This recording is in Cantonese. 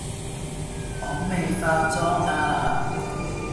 我未化妝呀